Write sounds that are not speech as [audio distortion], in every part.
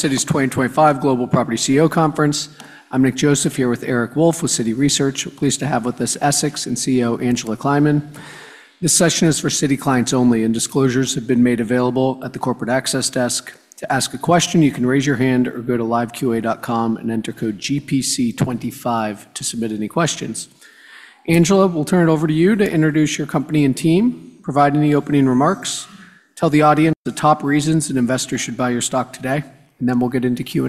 Citi's 2025 Global Property CEO Conference. I'm Nick Joseph here with Eric Wolfe with Citi Research. We're pleased to have with us Essex's CEO Angela Kleiman. This session is for Citi clients only, and disclosures have been made available at the Corporate Access Desk. To ask a question, you can raise your hand or go to liveqa.com and enter code GPC25 to submit any questions. Angela, we'll turn it over to you to introduce your company and team, provide any opening remarks, tell the audience the top reasons an investor should buy your stock today, and then we'll get into Q&A.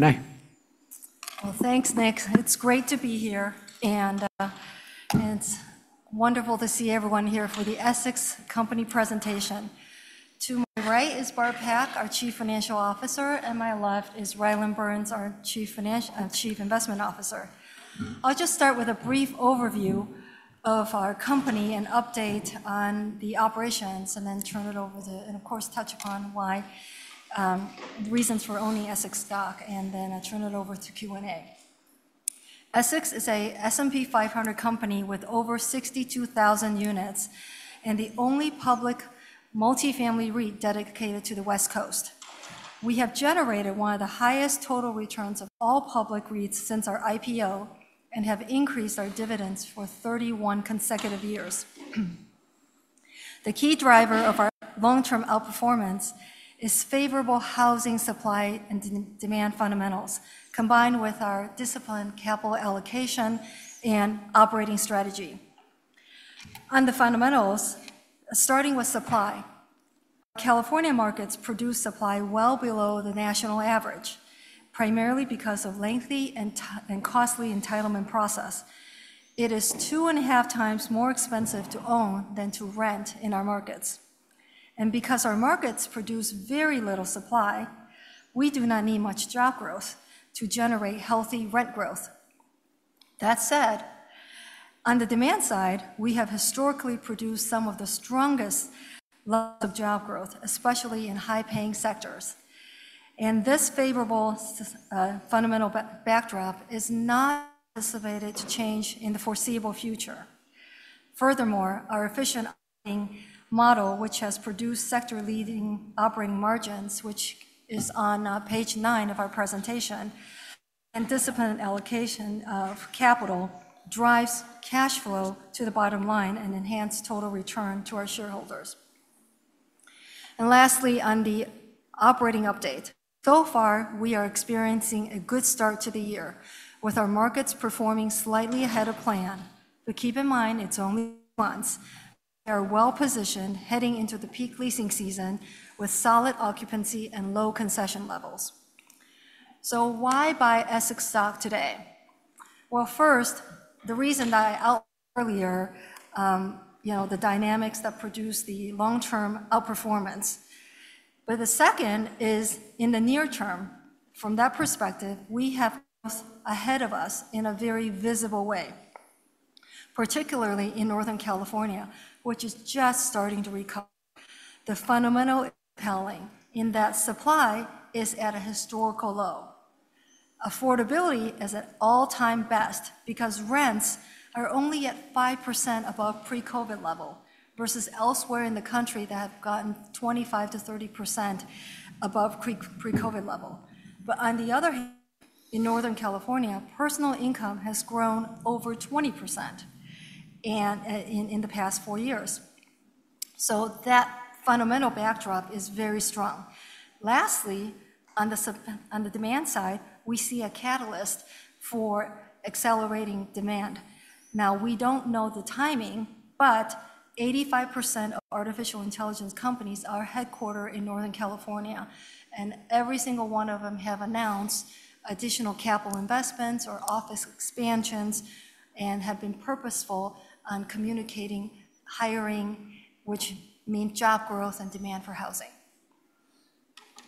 Well, thanks, Nick. It's great to be here, and it's wonderful to see everyone here for the Essex company presentation. To my right is Barb Pak, our Chief Financial Officer, and to my left is Rylan Burns, our Chief Investment Officer. I'll just start with a brief overview of our company and update on the operations, and then turn it over to, and of course, touch upon why, reasons for owning Essex stock, and then I'll turn it over to Q&A. Essex is an S&P 500 company with over 62,000 units and the only public multifamily REIT dedicated to the West Coast. We have generated one of the highest total returns of all public REITs since our IPO and have increased our dividends for 31 consecutive years. The key driver of our long-term outperformance is favorable housing supply and demand fundamentals, combined with our disciplined capital allocation and operating strategy. On the fundamentals, starting with supply, California markets produce supply well below the national average, primarily because of the lengthy and costly entitlement process. It is two and a half times more expensive to own than to rent in our markets, and because our markets produce very little supply, we do not need much job growth to generate healthy rent growth. That said, on the demand side, we have historically produced some of the strongest [audio distortion] job growth, especially in high-paying sectors, and this favorable fundamental backdrop is not anticipated to change in the foreseeable future. Furthermore, our efficient operating model, which has produced sector-leading operating margins, which is on page nine of our presentation, and disciplined allocation of capital drives cash flow to the bottom line and enhanced total return to our shareholders. And lastly, on the operating update, so far, we are experiencing a good start to the year with our markets performing slightly ahead of plan. But keep in mind, it's only months. We are well positioned heading into the peak leasing season with solid occupancy and low concession levels. So why buy Essex stock today? Well, first, the reason that I outlined earlier, you know, the dynamics that produce the long-term outperformance. But the second is in the near term, from that perspective, we have ahead of us in a very visible way, particularly in Northern California, which is just starting to recover. The fundamental [audio distortion] compelling in that supply is at a historical low. Affordability is at all-time best because rents are only at 5% above pre-COVID level versus elsewhere in the country that have gotten 25%-30% above pre-COVID level. But on the other hand, in Northern California, personal income has grown over 20% in the past four years. So that fundamental backdrop is very strong. Lastly, on the demand side, we see a catalyst for accelerating demand. Now, we don't know the timing, but 85% of artificial intelligence companies are headquartered in Northern California, and every single one of them have announced additional capital investments or office expansions and have been purposeful on communicating hiring, which means job growth and demand for housing.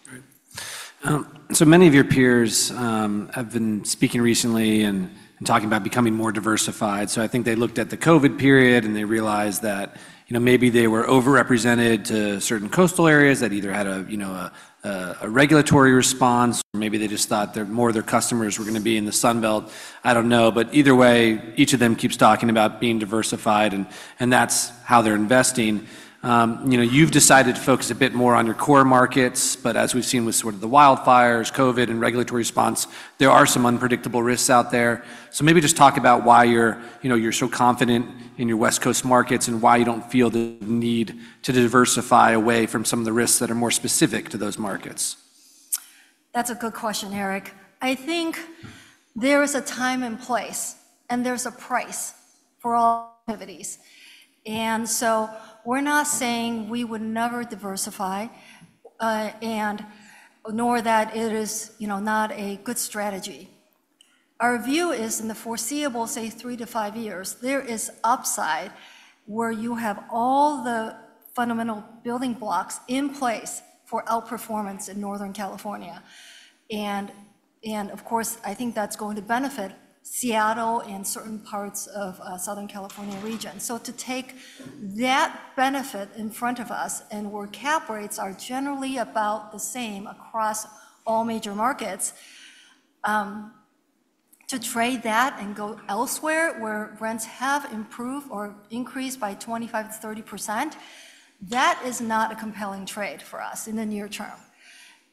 Great. So many of your peers have been speaking recently and talking about becoming more diversified. So I think they looked at the COVID period and they realized that, you know, maybe they were overrepresented to certain coastal areas that either had a, you know, a regulatory response, or maybe they just thought more of their customers were going to be in the Sun Belt. I don't know. But either way, each of them keeps talking about being diversified, and that's how they're investing. You know, you've decided to focus a bit more on your core markets, but as we've seen with sort of the wildfires, COVID, and regulatory response, there are some unpredictable risks out there. So maybe just talk about why you're, you know, you're so confident in your West Coast markets and why you don't feel the need to diversify away from some of the risks that are more specific to those markets? That's a good question, Eric. I think there is a time and place, and there's a price for all activities. And so we're not saying we would never diversify, and nor that it is, you know, not a good strategy. Our view is in the foreseeable, say, three to five years, there is upside where you have all the fundamental building blocks in place for outperformance in Northern California. And, of course, I think that's going to benefit Seattle and certain parts of Southern California region. So to take that benefit in front of us, and where cap rates are generally about the same across all major markets, to trade that and go elsewhere where rents have improved or increased by 25%-30%, that is not a compelling trade for us in the near term.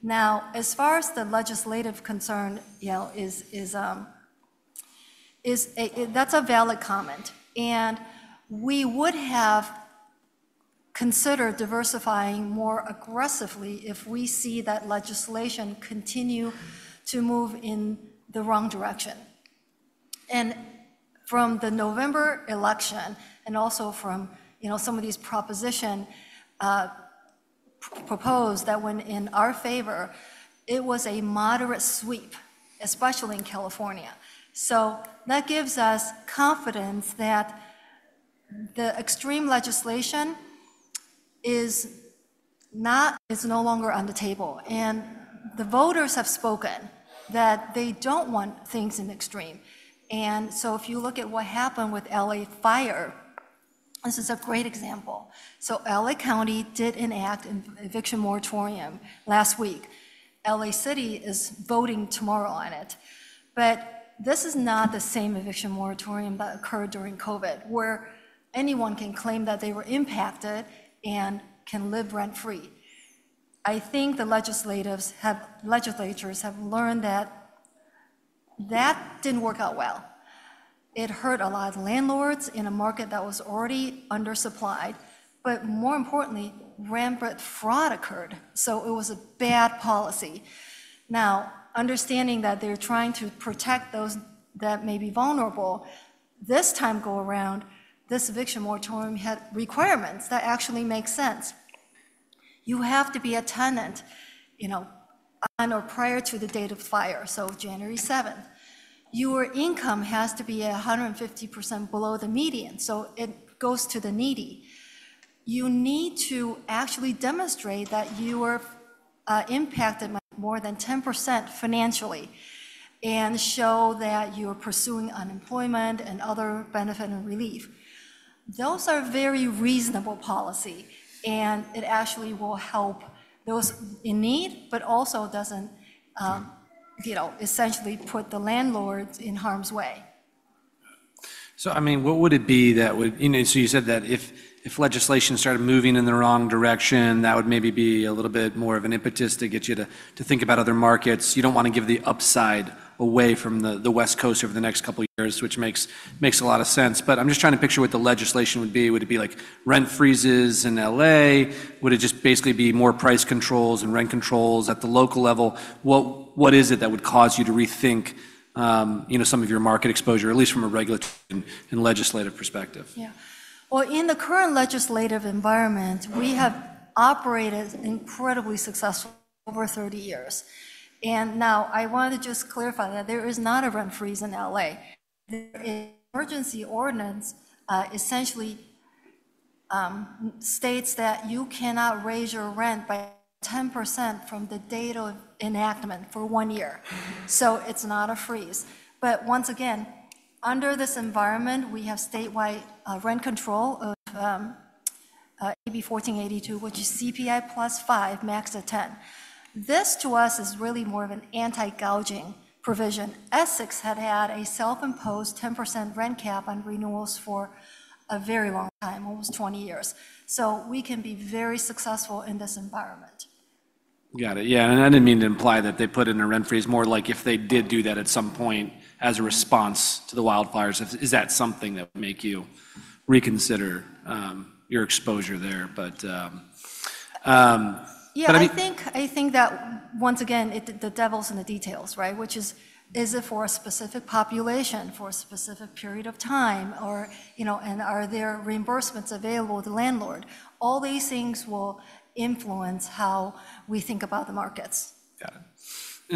Now, as far as the legislative concern, you know, that's a valid comment. And we would have considered diversifying more aggressively if we see that legislation continue to move in the wrong direction. And from the November election and also from, you know, some of these propositions proposed that went in our favor, it was a moderate sweep, especially in California. So that gives us confidence that the extreme legislation is no longer on the table. And the voters have spoken that they don't want things in extreme. And so if you look at what happened with LA fire, this is a great example. So LA County did enact an eviction moratorium last week. LA City is voting tomorrow on it. But this is not the same eviction moratorium that occurred during COVID, where anyone can claim that they were impacted and can live rent-free. I think the legislators have learned that that didn't work out well. It hurt a lot of landlords in a market that was already undersupplied, but more importantly, rampant fraud occurred. So it was a bad policy. Now, understanding that they're trying to protect those that may be vulnerable, this time around, this eviction moratorium had requirements that actually make sense. You have to be a tenant, you know, on or prior to the date of the fire, so January 7th. Your income has to be 150% below the median, so it goes to the needy. You need to actually demonstrate that you were impacted more than 10% financially and show that you are pursuing unemployment and other benefit and relief. Those are very reasonable policies, and it actually will help those in need, but also doesn't, you know, essentially put the landlords in harm's way. So, I mean, what would it be that would, you know, so you said that if legislation started moving in the wrong direction, that would maybe be a little bit more of an impetus to get you to think about other markets. You don't want to give the upside away from the West Coast over the next couple of years, which makes a lot of sense. But I'm just trying to picture what the legislation would be. Would it be like rent freezes in LA? Would it just basically be more price controls and rent controls at the local level? What is it that would cause you to rethink, you know, some of your market exposure, at least from a [audio distortion] and legislative perspective? Yeah. Well, in the current legislative environment, we have operated incredibly successfully over 30 years. Now I wanted to just clarify that there is not a rent freeze in LA. The emergency ordinance essentially states that you cannot raise your rent by 10% from the date of enactment for one year. So it's not a freeze. But once again, under this environment, we have statewide rent control of AB 1482, which is CPI plus 5, max of 10. This, to us, is really more of an anti-gouging provision. Essex had had a self-imposed 10% rent cap on renewals for a very long time, almost 20 years. So we can be very successful in this environment. Got it. Yeah. And I didn't mean to imply that they put in a rent freeze more like if they did do that at some point as a response to the wildfires. Is that something that would make you reconsider your exposure there? But. Yeah, I think, I think that once again, the devil's in the details, right? Which is, is it for a specific population, for a specific period of time, or, you know, and are there reimbursements available to the landlord? All these things will influence how we think about the markets. Got it.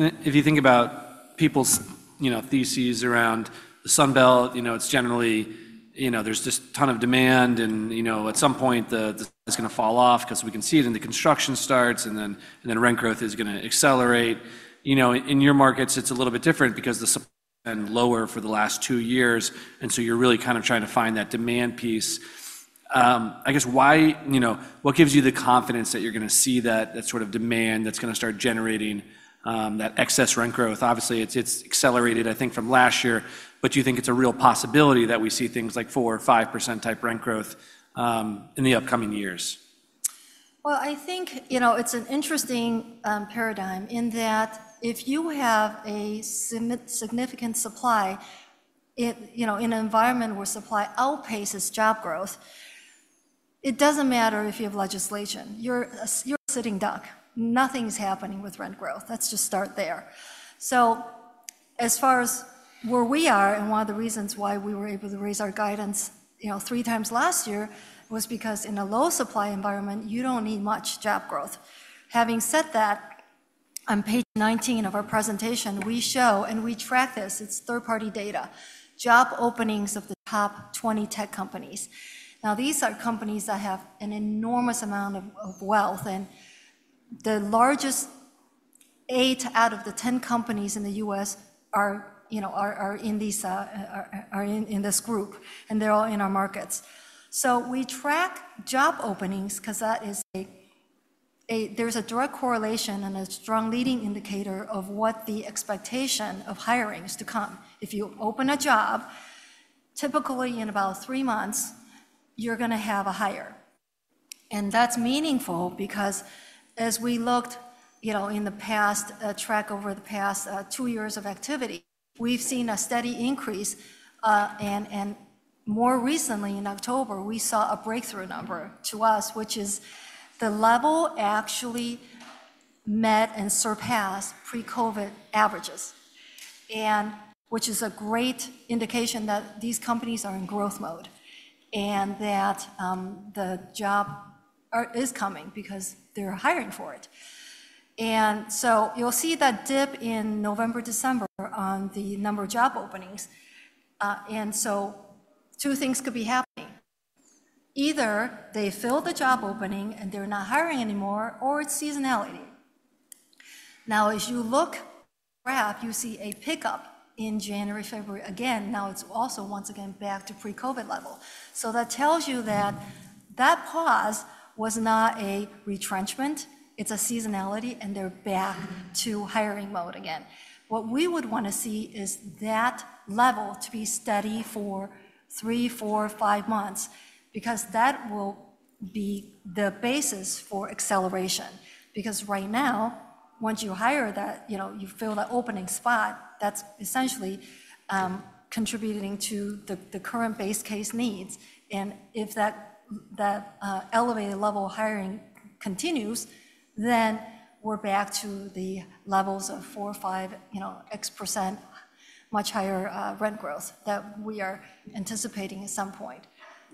And if you think about people's, you know, theses around the Sun Belt, you know, it's generally, you know, there's just a ton of demand and, you know, at some point the Sun Belt is going to fall off because we can see it in the construction starts and then rent growth is going to accelerate. You know, in your markets, it's a little bit different because the [audio distortion] lower for the last two years. And so you're really kind of trying to find that demand piece. I guess why, you know, what gives you the confidence that you're going to see that sort of demand that's going to start generating that excess rent growth? Obviously, it's accelerated, I think, from last year. But do you think it's a real possibility that we see things like 4% or 5% type rent growth in the upcoming years? I think, you know, it's an interesting paradigm in that if you have a significant supply, you know, in an environment where supply outpaces job growth, it doesn't matter if you have legislation. You're a sitting duck. Nothing's happening with rent growth. Let's just start there. So as far as where we are and one of the reasons why we were able to raise our guidance, you know, three times last year was because in a low-supply environment, you don't need much job growth. Having said that, on page 19 of our presentation, we show and we track this. It's third-party data, job openings of the top 20 tech companies. Now, these are companies that have an enormous amount of wealth. And the largest eight out of the 10 companies in the U.S. are, you know, are in these, are in this group, and they're all in our markets. So we track job openings because that is a. There's a direct correlation and a strong leading indicator of what the expectation of hiring is to come. If you open a job, typically in about three months, you're going to have a hire. And that's meaningful because as we looked, you know, in the past, look back over the past two years of activity, we've seen a steady increase. And more recently, in October, we saw a breakthrough number to us, which is the level actually met and surpassed pre-COVID averages, which is a great indication that these companies are in growth mode and that the job is coming because they're hiring for it. And so you'll see that dip in November, December on the number of job openings. And so two things could be happening. Either they fill the job opening and they're not hiring anymore, or it's seasonality. Now, as you look [audio distortion] graph, you see a pickup in January, February again. Now it's also once again back to pre-COVID level. So that tells you that that pause was not a retrenchment. It's a seasonality, and they're back to hiring mode again. What we would want to see is that level to be steady for three, four, five months because that will be the basis for acceleration. Because right now, once you hire that, you know, you fill that opening spot, that's essentially contributing to the current base case needs, and if that elevated level of hiring continues, then we're back to the levels of four or five, you know, X%, much higher rent growth that we are anticipating at some point.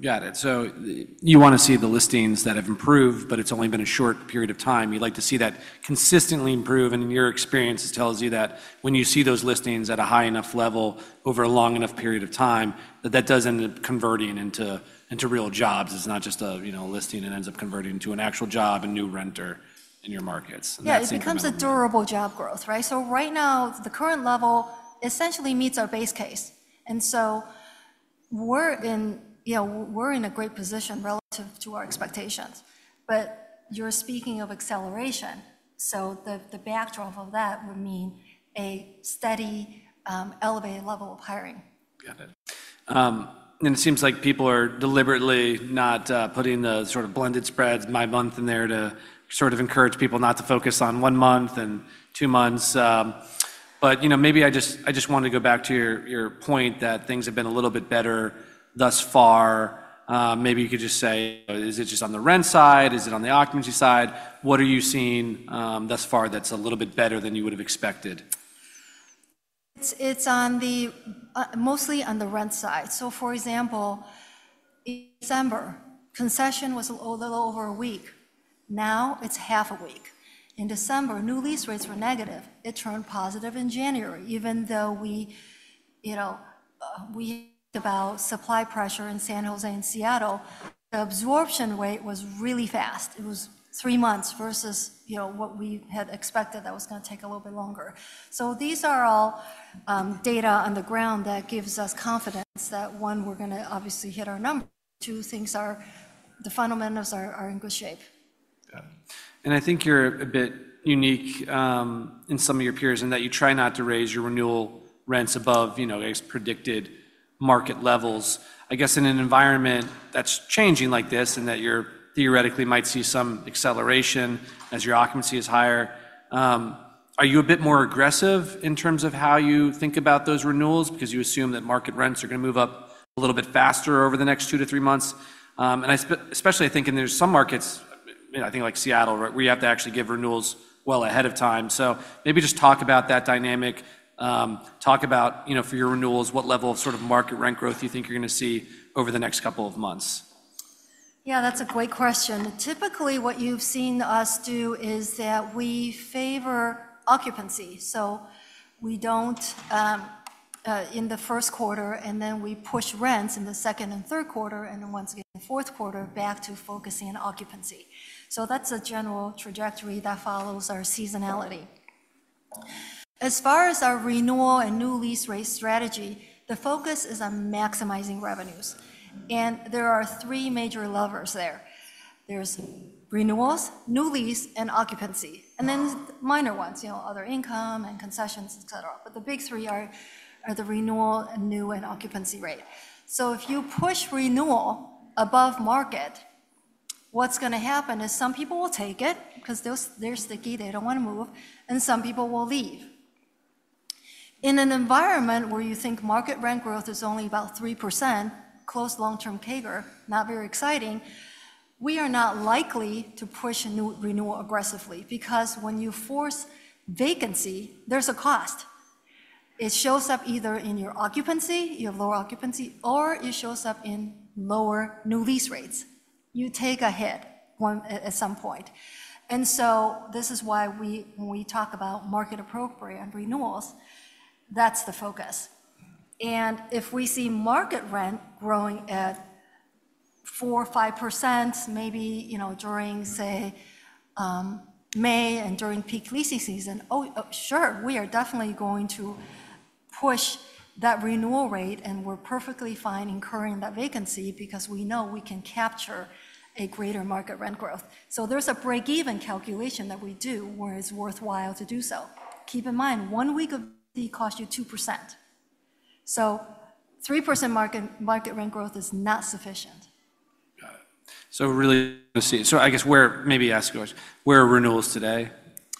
Got it. So you want to see the listings that have improved, but it's only been a short period of time. You'd like to see that consistently improve. And in your experience, it tells you that when you see those listings at a high enough level over a long enough period of time, that that does end up converting into real jobs. It's not just a, you know, a listing. It ends up converting into an actual job and new renter in your markets. Yeah, it becomes a durable job growth, right? So right now, the current level essentially meets our base case, and so we're in, you know, we're in a great position relative to our expectations, but you're speaking of acceleration, so the backdrop of that would mean a steady, elevated level of hiring. Got it. And it seems like people are deliberately not putting the sort of blended spreads, one month in there to sort of encourage people not to focus on one month and two months. But, you know, maybe I just, I just want to go back to your point that things have been a little bit better thus far. Maybe you could just say, is it just on the rent side? Is it on the occupancy side? What are you seeing thus far that's a little bit better than you would have expected? It's on the, mostly on the rent side. So, for example, in December, concession was a little over a week. Now it's half a week. In December, new lease rates were negative. It turned positive in January, even though we, you know, we talked about supply pressure in San Jose and Seattle. The absorption rate was really fast. It was three months versus, you know, what we had expected that was going to take a little bit longer. So these are all data on the ground that gives us confidence that, one, we're going to obviously hit our number. Two, things are, the fundamentals are in good shape. Yeah. And I think you're a bit unique in some of your peers in that you try not to raise your renewal rents above, you know, predicted market levels. I guess in an environment that's changing like this and that you're theoretically might see some acceleration as your occupancy is higher, are you a bit more aggressive in terms of how you think about those renewals? Because you assume that market rents are going to move up a little bit faster over the next two to three months. And I especially think in there's some markets, I think like Seattle, where you have to actually give renewals well ahead of time. So maybe just talk about that dynamic. Talk about, you know, for your renewals, what level of sort of market rent growth you think you're going to see over the next couple of months. Yeah, that's a great question. Typically, what you've seen us do is that we favor occupancy. So we don't in the Q1, and then we push rents in the second and Q3, and then once again in the Q4 back to focusing on occupancy. So that's a general trajectory that follows our seasonality. As far as our renewal and new lease rate strategy, the focus is on maximizing revenues. And there are three major levers there. There's renewals, new lease, and occupancy. And then minor ones, you know, other income and concessions, et cetera. But the big three are the renewal and new and occupancy rate. So if you push renewal above market, what's going to happen is some people will take it because they're sticky. They don't want to move. And some people will leave. In an environment where you think market rent growth is only about 3%, close long-term CAGR, not very exciting, we are not likely to push renewal aggressively. Because when you force vacancy, there's a cost. It shows up either in your occupancy, your lower occupancy, or it shows up in lower new lease rates. You take a hit at some point. And so this is why when we talk about market-appropriate renewals, that's the focus. And if we see market rent growing at 4%, 5%, maybe, you know, during, say, May and during peak leasing season, oh, sure, we are definitely going to push that renewal rate. And we're perfectly fine incurring that vacancy because we know we can capture a greater market rent growth. So there's a break-even calculation that we do where it's worthwhile to do so. Keep in mind, one week of [audio distortion] cost you 2%. 3% market rent growth is not sufficient. Got it. So really, see, so I guess where maybe ask [audio distortion] where are renewals today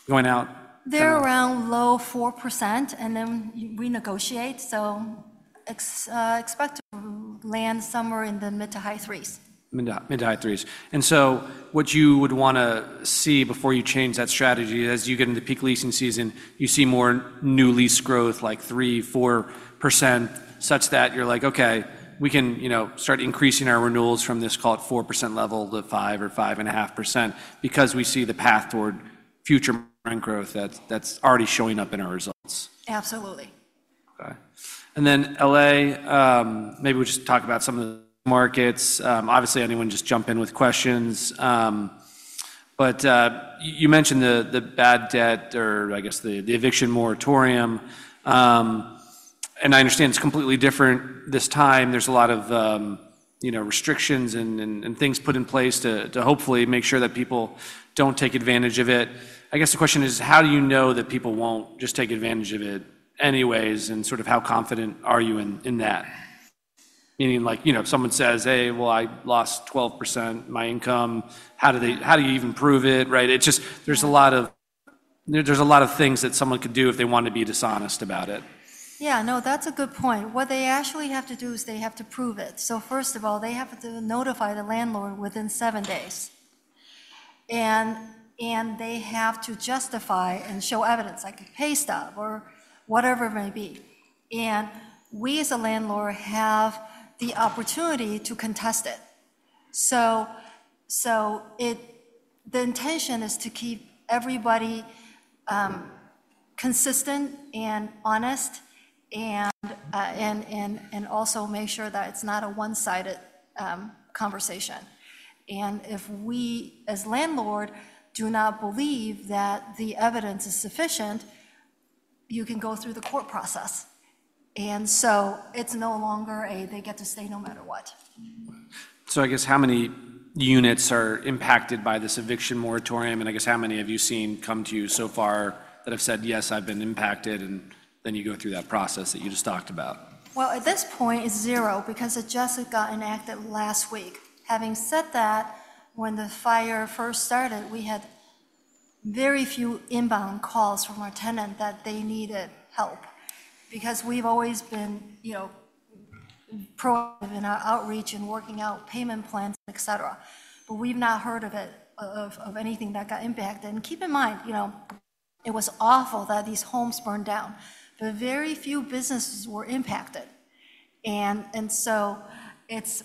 going out? They're around low 4%, and then we negotiate. So expect to land somewhere in the mid- to high threes. Mid- to high-threes. And so what you would want to see before you change that strategy is as you get into peak leasing season, you see more new lease growth like 3%, 4%, such that you're like, okay, we can, you know, start increasing our renewals from this call it 4% level to 5% or 5.5% because we see the path toward future rent growth that's already showing up in our results. Absolutely. Okay, and then LA, maybe we'll just talk about some of the markets. Obviously, anyone just jump in with questions, but you mentioned the bad debt or I guess the eviction moratorium, and I understand it's completely different this time. There's a lot of, you know, restrictions and things put in place to hopefully make sure that people don't take advantage of it. I guess the question is, how do you know that people won't just take advantage of it anyways? And sort of how confident are you in that? Meaning like, you know, if someone says, hey, well, I lost 12% of my income, how do you even prove it, right? It's just there's a lot of, there's a lot of things that someone could do if they want to be dishonest about it. Yeah, no, that's a good point. What they actually have to do is they have to prove it. So first of all, they have to notify the landlord within seven days. And they have to justify and show evidence like a pay stub or whatever it may be. And we as a landlord have the opportunity to contest it. So the intention is to keep everybody consistent and honest and also make sure that it's not a one-sided conversation. And if we as landlord do not believe that the evidence is sufficient, you can go through the court process. And so it's no longer a they get to stay no matter what. I guess how many units are impacted by this eviction moratorium? I guess how many have you seen come to you so far that have said, yes, I've been impacted? You go through that process that you just talked about. At this point, it's zero because it just got enacted last week. Having said that, when the fire first started, we had very few inbound calls from our tenants that they needed help, because we've always been, you know, proactive in our outreach and working out payment plans, et cetera, but we've not heard of anything that got impacted, and keep in mind, you know, it was awful that these homes burned down, but very few businesses were impacted, and so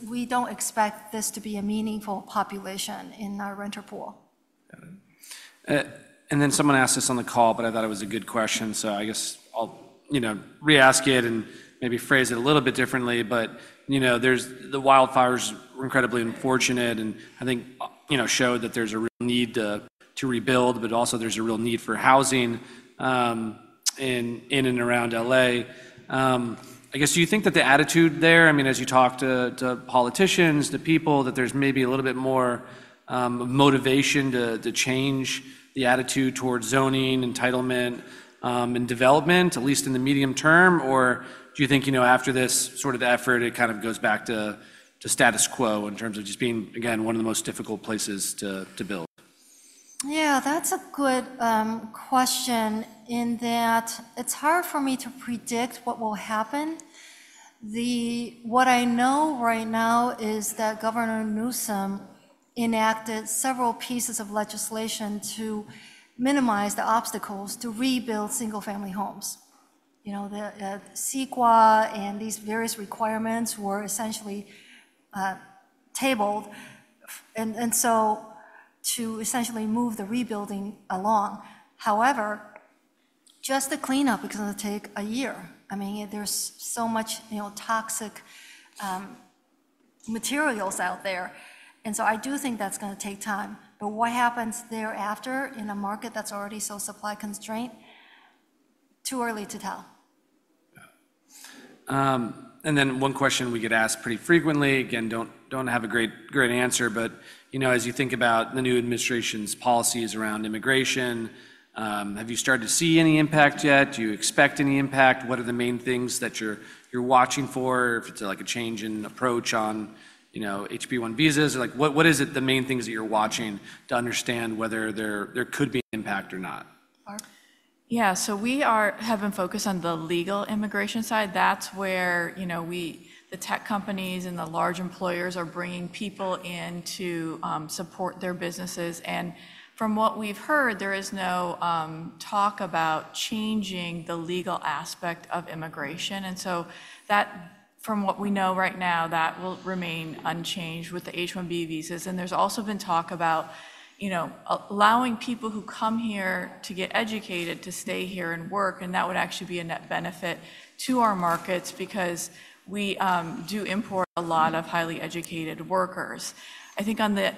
we don't expect this to be a meaningful population in our renter pool. Got it. And then someone asked us on the call, but I thought it was a good question. So I guess I'll, you know, re-ask it and maybe phrase it a little bit differently. But, you know, there's the wildfires were incredibly unfortunate. And I think, you know, showed that there's a real need to rebuild, but also there's a real need for housing in and around LA. I guess, do you think that the attitude there, I mean, as you talk to politicians, to people, that there's maybe a little bit more motivation to change the attitude towards zoning, entitlement, and development, at least in the medium term? Or do you think, you know, after this sort of effort, it kind of goes back to status quo in terms of just being, again, one of the most difficult places to build? Yeah, that's a good question in that it's hard for me to predict what will happen. What I know right now is that Governor Newsom enacted several pieces of legislation to minimize the obstacles to rebuild single-family homes. You know, the CEQA and these various requirements were essentially tabled, and so to essentially move the rebuilding along. However, just the cleanup is going to take a year. I mean, there's so much, you know, toxic materials out there, and so I do think that's going to take time. But what happens thereafter in a market that's already so supply constrained, it's too early to tell. And then one question we get asked pretty frequently. Again, don't have a great answer. But, you know, as you think about the new administration's policies around immigration, have you started to see any impact yet? Do you expect any impact? What are the main things that you're watching for? If it's like a change in approach on, you know, H-1B visas, like what is it, the main things that you're watching to understand whether there could be an impact or not? Yeah, so we have been focused on the legal immigration side. That's where, you know, the tech companies and the large employers are bringing people in to support their businesses. And from what we've heard, there is no talk about changing the legal aspect of immigration. And so that, from what we know right now, that will remain unchanged with the H-1B visas. And there's also been talk about, you know, allowing people who come here to get educated to stay here and work. And that would actually be a net benefit to our markets because we do import a lot of highly educated workers. I think on the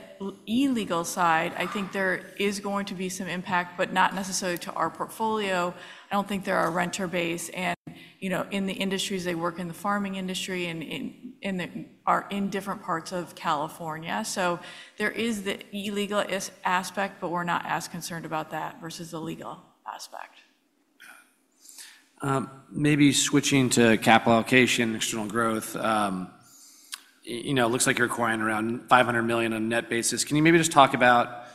illegal side, I think there is going to be some impact, but not necessarily to our portfolio. I don't think there are renters based and, you know, in the industries they work in, the farming industry and are in different parts of California. So there is the illegal aspect, but we're not as concerned about that versus the legal aspect. Maybe switching to capital allocation, external growth. You know, it looks like you're acquiring around $500 million on a net basis. Can you maybe just talk about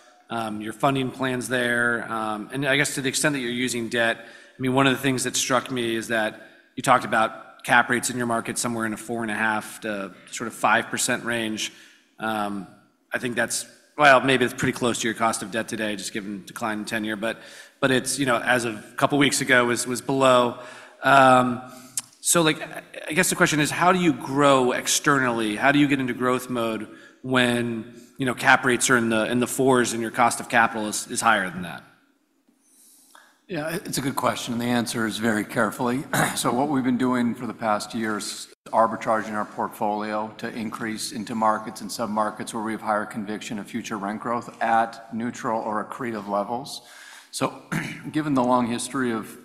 your funding plans there? And I guess to the extent that you're using debt, I mean, one of the things that struck me is that you talked about cap rates in your market somewhere in a 4.5%-sort of 5% range. I think that's, well, maybe it's pretty close to your cost of debt today, just given decline in 10-year. But it's, you know, as of a couple of weeks ago, was below. So like, I guess the question is, how do you grow externally? How do you get into growth mode when, you know, cap rates are in the fours and your cost of capital is higher than that? Yeah, it's a good question. And the answer is very carefully. So what we've been doing for the past year is arbitraging our portfolio to increase into markets and sub-markets where we have higher conviction of future rent growth at neutral or accretive levels. So given the long history of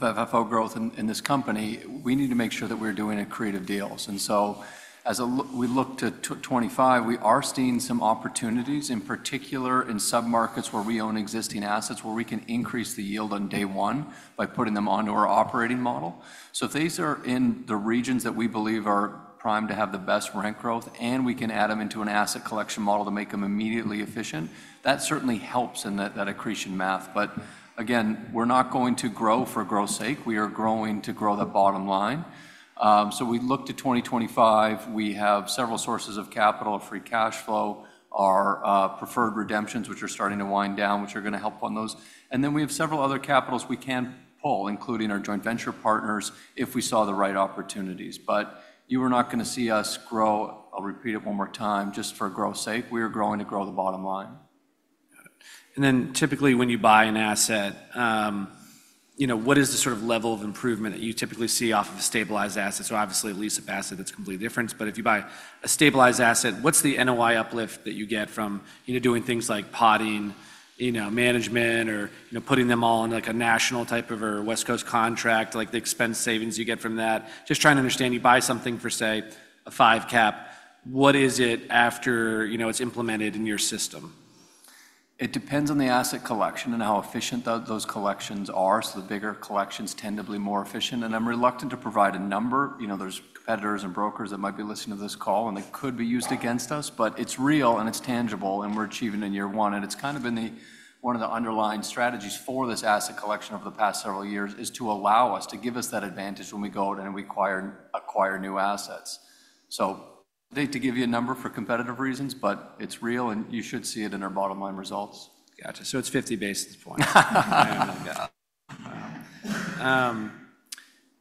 FFO growth in this company, we need to make sure that we're doing accretive deals. And so as we look to 2025, we are seeing some opportunities, in particular in sub-markets where we own existing assets where we can increase the yield on day one by putting them onto our operating model. So if these are in the regions that we believe are primed to have the best rent growth and we can add them into an asset collection model to make them immediately efficient, that certainly helps in that accretion math. But again, we're not going to grow for growth's sake. We are growing to grow that bottom line. So we look to 2025. We have several sources of capital, free cash flow, our preferred redemptions, which are starting to wind down, which are going to help on those. And then we have several other capitals we can pull, including our joint venture partners, if we saw the right opportunities. But you are not going to see us grow. I'll repeat it one more time, just for growth's sake. We are growing to grow the bottom line. Got it. And then typically when you buy an asset, you know, what is the sort of level of improvement that you typically see off of a stabilized asset? So obviously a lease-up asset that's completely different. But if you buy a stabilized asset, what's the NOI uplift that you get from, you know, doing things like painting, you know, management or, you know, putting them all in like a national type of a West Coast contract, like the expense savings you get from that? Just trying to understand, you buy something for, say, a five cap, what is it after, you know, it's implemented in your system? It depends on the asset collection and how efficient those collections are, so the bigger collections tend to be more efficient, and I'm reluctant to provide a number. You know, there's competitors and brokers that might be listening to this call and they could be used against us, but it's real and it's tangible and we're achieving in year one, and it's kind of been one of the underlying strategies for this asset collection over the past several years is to allow us to give us that advantage when we go out and acquire new assets, so I hate to give you a number for competitive reasons, but it's real and you should see it in our bottom line results. Gotcha. So it's 50 basis points.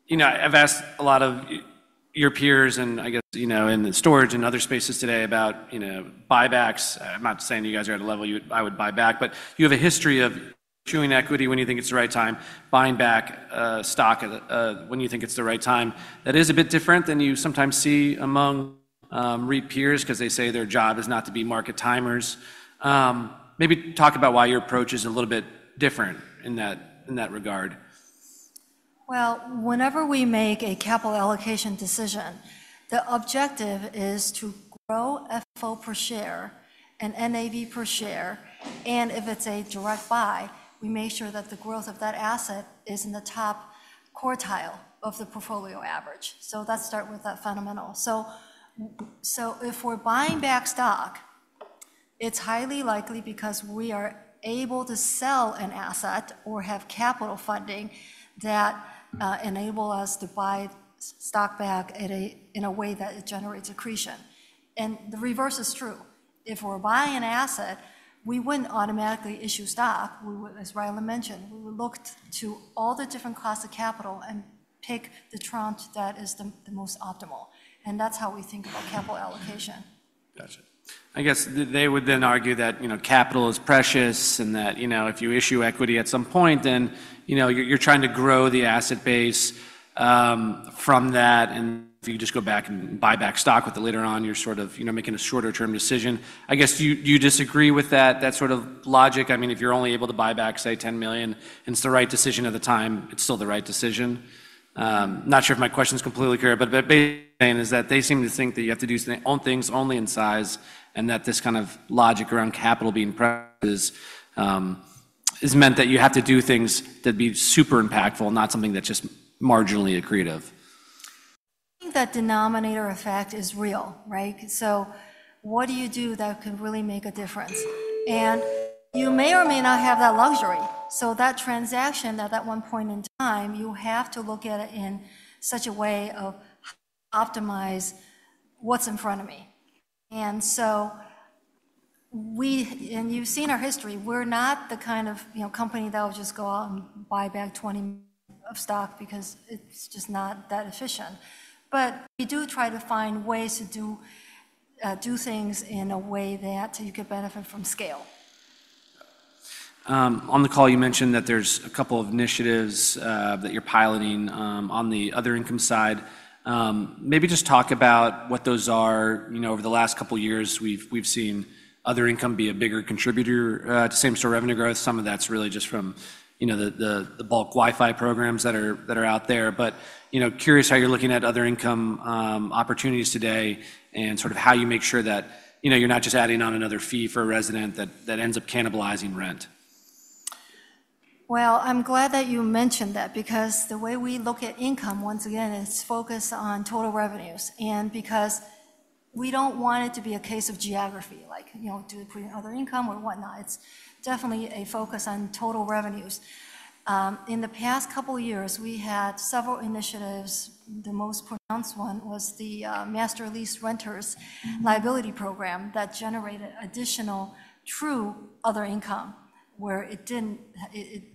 You know, I've asked a lot of your peers and I guess, you know, in the storage and other spaces today about, you know, buybacks. I'm not saying you guys are at a level I would buy back. But you have a history of issuing equity when you think it's the right time, buying back stock when you think it's the right time. That is a bit different than you sometimes see among REIT peers because they say their job is not to be market timers. Maybe talk about why your approach is a little bit different in that regard. Whenever we make a capital allocation decision, the objective is to grow FFO per share and NAV per share. If it's a direct buy, we make sure that the growth of that asset is in the top quartile of the portfolio average. Let's start with that fundamental. If we're buying back stock, it's highly likely because we are able to sell an asset or have capital funding that enables us to buy stock back in a way that generates accretion. The reverse is true. If we're buying an asset, we wouldn't automatically issue stock. As Rylan mentioned, we would look to all the different costs of capital and pick the tranche that is the most optimal. That's how we think about capital allocation. Gotcha. I guess they would then argue that, you know, capital is precious and that, you know, if you issue equity at some point, then, you know, you're trying to grow the asset base from that. And if you just go back and buy back stock with it later on, you're sort of, you know, making a shorter-term decision. I guess do you disagree with that sort of logic? I mean, if you're only able to buy back, say, 10 million and it's the right decision at the time, it's still the right decision. Not sure if my question is completely clear, but basically saying is that they seem to think that you have to do things only in size and that this kind of logic around capital being [audio distortion] is meant that you have to do things that be super impactful, not something that's just marginally accretive. I think that denominator effect is real, right? So what do you do that can really make a difference? And you may or may not have that luxury. So that transaction at that one point in time, you have to look at it in such a way to optimize what's in front of me. And so we, and you've seen our history, we're not the kind of, you know, company that will just go out and buy back 20 million of stock because it's just not that efficient. But we do try to find ways to do things in a way that you could benefit from scale. On the call, you mentioned that there's a couple of initiatives that you're piloting on the other income side. Maybe just talk about what those are. You know, over the last couple of years, we've seen other income be a bigger contributor to same-store revenue growth. Some of that's really just from, you know, the bulk Wi-Fi programs that are out there. But, you know, curious how you're looking at other income opportunities today and sort of how you make sure that, you know, you're not just adding on another fee for a resident that ends up cannibalizing rent? Well, I'm glad that you mentioned that because the way we look at income, once again, it's focused on total revenues. And because we don't want it to be a case of geography, like, you know, do we put in other income or whatnot. It's definitely a focus on total revenues. In the past couple of years, we had several initiatives. The most pronounced one was the Master Lease Renters Liability Program that generated additional true other income where it didn't,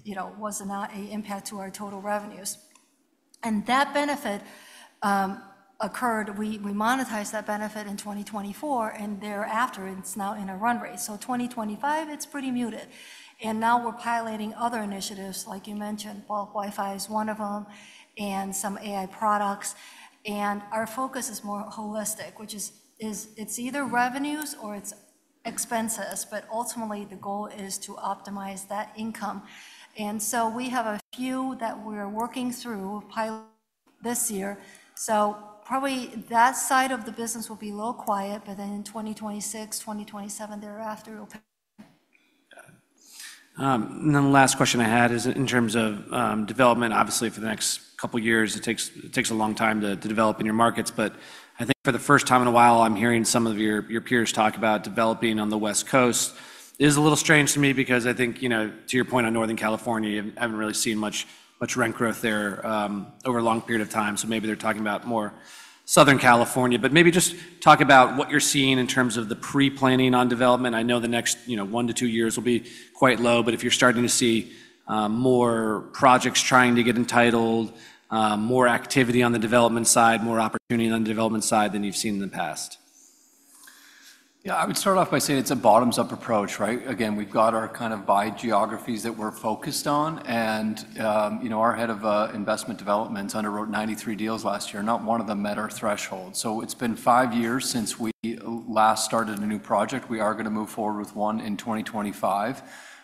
you know, was not an impact to our total revenues. And that benefit occurred. We monetized that benefit in 2024, and thereafter, it's now in a run rate. So 2025, it's pretty muted. And now we're piloting other initiatives, like you mentioned. Bulk Wi-Fi is one of them and some AI products. And our focus is more holistic, which is it's either revenues or it's expenses. But ultimately, the goal is to optimize that income. And so we have a few that we're working through pilot this year. So probably that side of the business will be a little quiet. But then in 2026, 2027, thereafter, it'll. [audio distortion] And then the last question I had is in terms of development. Obviously, for the next couple of years, it takes a long time to develop in your markets. But I think for the first time in a while, I'm hearing some of your peers talk about developing on the West Coast. It is a little strange to me because I think, you know, to your point on Northern California, you haven't really seen much rent growth there over a long period of time. So maybe they're talking about more Southern California. But maybe just talk about what you're seeing in terms of the pre-planning on development. I know the next, you know, one to two years will be quite low. but if you're starting to see more projects trying to get entitled, more activity on the development side, more opportunity on the development side than you've seen in the past. Yeah, I would start off by saying it's a bottoms-up approach, right? Again, we've got our kind of by geographies that we're focused on, and you know, our head of investment developments underwrote 93 deals last year. Not one of them met our threshold, so it's been five years since we last started a new project. We are going to move forward with one in 2025,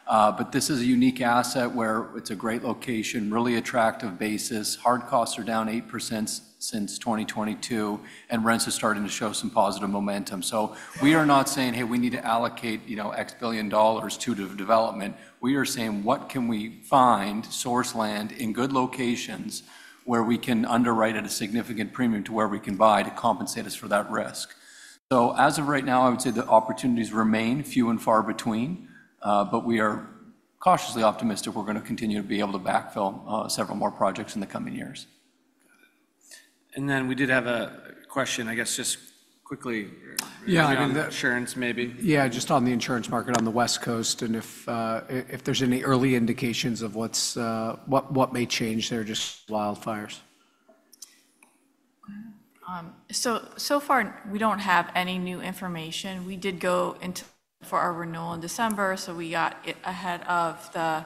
but this is a unique asset where it's a great location, really attractive basis. Hard costs are down 8% since 2022, and rents are starting to show some positive momentum. We are not saying, "Hey, we need to allocate, you know, $X billion to development." We are saying, "What can we find source land in good locations where we can underwrite at a significant premium to where we can buy to compensate us for that risk?" As of right now, I would say the opportunities remain few and far between. We are cautiously optimistic we're going to continue to be able to backfill several more projects in the coming years. Got it, and then we did have a question, I guess just quickly. Yeah. On insurance maybe. Yeah, just on the insurance market on the West Coast and if there's any early indications of what may change there, just wildfires? So far, we don't have any new information. We did go in for our renewal in December. So we got it ahead of the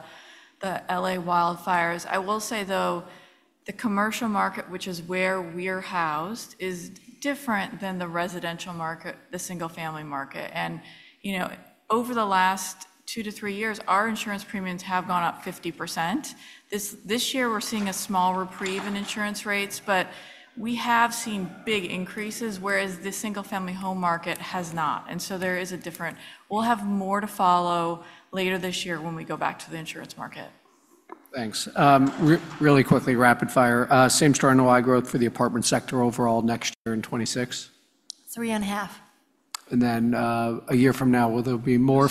LA wildfires. I will say though, the commercial market, which is where we're housed, is different than the residential market, the single-family market. And, you know, over the last two to three years, our insurance premiums have gone up 50%. This year, we're seeing a small reprieve in insurance rates, but we have seen big increases, whereas the single-family home market has not. And so there is a difference. We'll have more to follow later this year when we go back to the insurance market. Thanks. Really quickly, rapid fire. Same-Store NOI growth for the apartment sector overall next year in 2026? Three and a half. And then a year from now, will there be more?